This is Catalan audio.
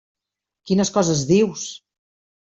Quines coses dius!